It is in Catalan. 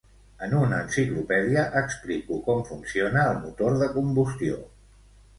En una enciclopèdia explico com funciona el motor de combustió.